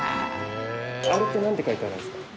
あれってなんて書いてあるんですか？